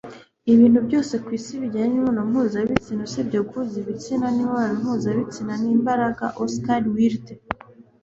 ibintu byose ku isi bijyanye n'imibonano mpuzabitsina usibye guhuza ibitsina imibonano mpuzabitsina ni imbaraga - oscar wilde